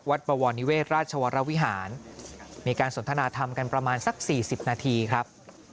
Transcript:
บวรนิเวศราชวรวิหารมีการสนทนาธรรมกันประมาณสัก๔๐นาทีครับ